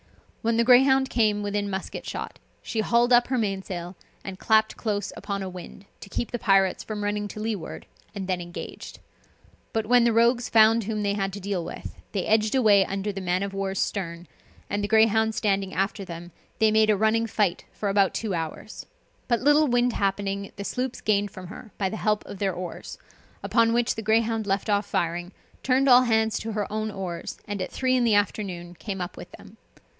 When the Greyhound came within musket shot, she hauled up her mainsail, and clapped close upon a wind, to keep the pirates from running to leeward, and then engaged. But when the rogues found whom they had to deal with, they edged away under the man of war's stern, and the Greyhound standing after them, they made a running fight for about two hours; but little wind happening, the sloops gained from her, by the help of their oars; upon which the Greyhound left off firing, turned all hands to her own oars, and at three in the afternoon came up with them.